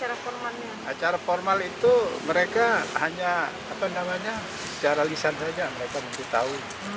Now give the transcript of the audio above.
acara formal itu mereka hanya secara lisan saja mereka mesti tahu